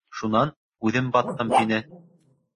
Шунан, үҙем баттым, тине...